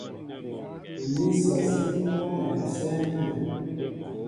Ní sɔ síní tɔ́ŋɛ usɛ́ɛ́ mínɛ.